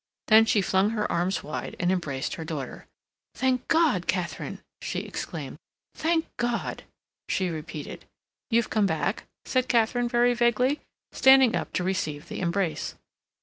Then she flung her arms wide and embraced her daughter. "Thank God, Katharine!" she exclaimed. "Thank God!" she repeated. "You've come back?" said Katharine, very vaguely, standing up to receive the embrace.